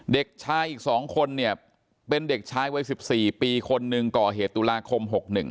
เด็กชายอีก๒คนเนี่ยเป็นเด็กชายวัย๑๔ปีคนหนึ่งก่อเหตุตุลาคม๖๑